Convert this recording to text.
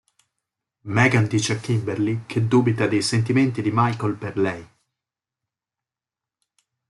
Megan dice a Kimberly che dubita dei sentimenti di Michael per lei.